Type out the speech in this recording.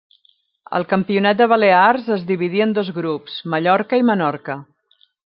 El campionat de Balears es dividí en dos grups, Mallorca i Menorca.